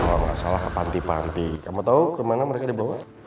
kalau nggak salah panti panti kamu tahu kemana mereka dibawa